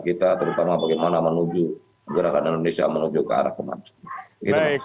kita terutama bagaimana menuju gerakan indonesia menuju ke arah kemana